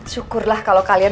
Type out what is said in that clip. syukurlah kalau kalian